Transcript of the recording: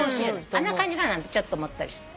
あんな感じかなんてちょっと思ったり。